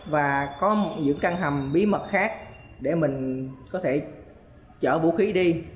và có những căn hầm bí mật khác để mình có thể chở vũ khí đi